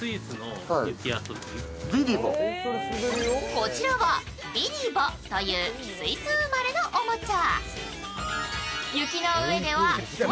こちらはｂｉｌｌｉｂｏというスイス生まれのおもちゃ。